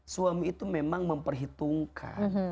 suami itu memang memperhitungkan